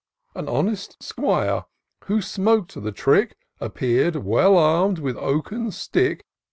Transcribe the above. An honest 'Squire, who smok'd the trick, Appeared well arm'd with oaken stick.